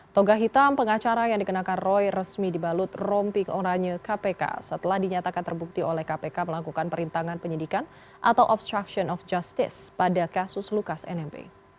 toga hitam pengacara yang dikenakan roy resmi dibalut rompi ke oranye kpk setelah dinyatakan terbukti oleh kpk melakukan perintangan penyidikan atau obstruction of justice pada kasus lukas nmb